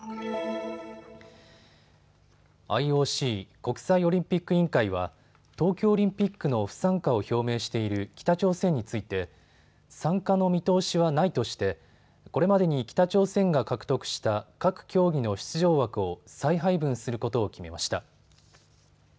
ＩＯＣ・国際オリンピック委員会は東京オリンピックの不参加を表明している北朝鮮について参加の見通しはないとしてこれまでに北朝鮮が獲得した各競技の出場枠を再配分することを決めました。